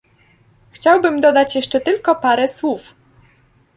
Chciałbym dodać jeszcze tylko parę słów